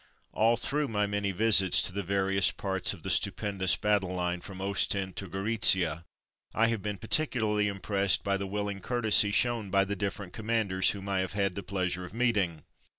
All through my many visits to the various parts of the stupendous battle line from Ostend to Goritzia I have been particularly im pressed by the willing courtesy shown by the different commanders whom I have had the pleasure of meeting.